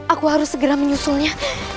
aku harus segera menyusulnya